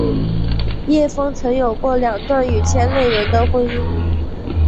叶枫曾有过两段与圈内人的婚姻。